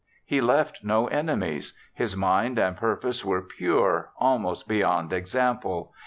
He left no enemies. His mind and purpose were pure, almost beyond example.